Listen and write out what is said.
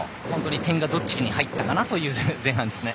点がどっちに入ったかなという前半ですね。